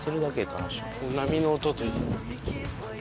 波の音といい。